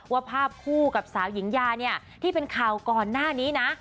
ว่าภาพคู่กับสาวหญิงยาเนี่ยที่เป็นข่าวก่อนหน้านี้นะ